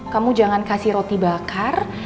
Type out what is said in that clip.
kamu jangan kasih roti bakar